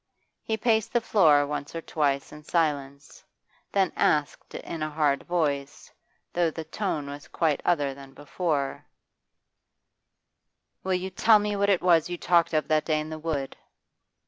He paced the floor once or twice in silence, then asked in a hard voice, though the tone was quite other than before: 'Will you tell me what it was you talked of that day in the wood?